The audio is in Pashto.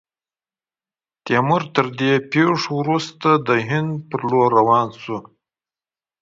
تیمور، تر دې پیښو وروسته، د هند پر لور روان سو.